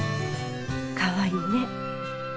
かわいいね。